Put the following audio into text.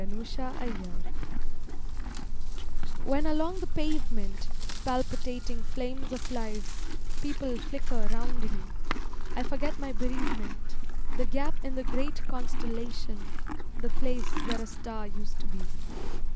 SUBMERGENCE WHEN along the pavement, Palpitating flames of life, People flicker round me, I forget my bereavement, The gap in the great constellation, The place where a star used to be.